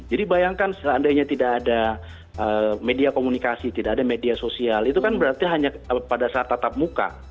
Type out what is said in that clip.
jadi bayangkan seandainya tidak ada media komunikasi tidak ada media sosial itu kan berarti hanya pada saat tatap muka